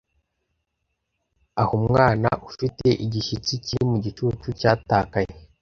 ah umwana ufite igishyitsi kiri mu gicucu cyatakaye